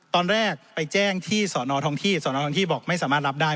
ตอนแรกไปแจ้งที่สอนอทองที่สอนอทองที่บอกไม่สามารถรับได้